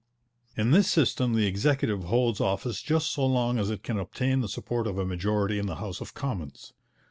In this system the Executive holds office just so long as it can obtain the support of a majority in the House of Commons.